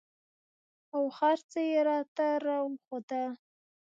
او هرڅه يې راته راوښوول.